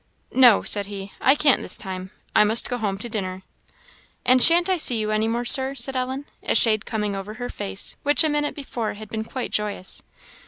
"No," said he, "I can't this time I must go home to dinner." "And shan't I see you any more, Sir?" said Ellen, a shade coming over her face, which a minute before had been quite joyous.